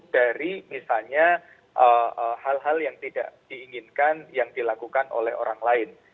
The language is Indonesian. dari misalnya hal hal yang tidak diinginkan yang dilakukan oleh orang lain